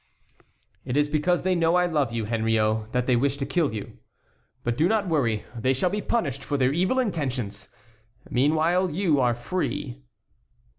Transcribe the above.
"It is because they know I love you, Henriot, that they wish to kill you. But do not worry. They shall be punished for their evil intentions. Meanwhile you are free."